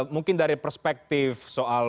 mungkin dari perspektif soal